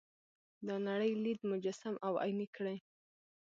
دا نړۍ لید مجسم او عیني کړي.